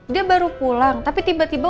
dia baru pulang tapi tiba tiba